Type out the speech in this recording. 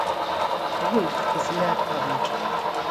The roof is lead covered.